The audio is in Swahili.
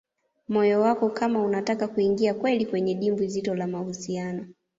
moyo wako kama unataka kuingia kweli kwenye dimbwi zito la mahusiano